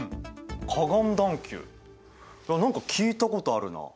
河岸段丘何か聞いたことあるな。